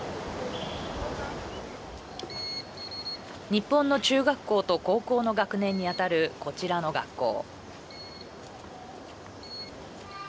日本の中学校と高校の学年に当たるこちらの学校。